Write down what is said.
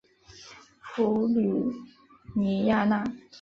普吕尼亚讷。